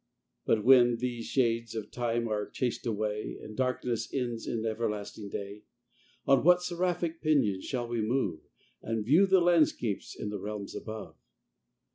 But when these shades of time are chas'd away, And darkness ends in everlasting day, On what seraphic pinions shall we move, And view the landscapes in the realms above?